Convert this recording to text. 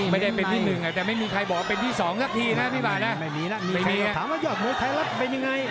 ไม่ได้เป็นที่๑ครับแต่ไม่มีใครบอกว่าเป็นที่๒ซักทีนะไม่มีมาดะ